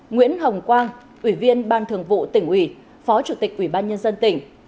nguyễn hồng quang ủy viên ban thường vụ tỉnh ủy phó chủ tịch ủy ban nhân dân tỉnh